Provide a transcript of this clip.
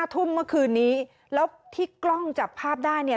ทุ่มเมื่อคืนนี้แล้วที่กล้องจับภาพได้เนี่ย